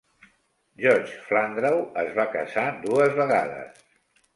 Judge Flandrau es va casar dues vegades.